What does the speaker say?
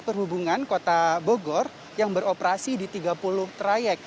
perhubungan kota bogor yang beroperasi di tiga puluh trayek